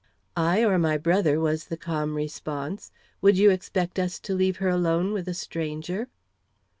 "I or my brother," was the calm response, "Would you expect us to leave her alone with a stranger?"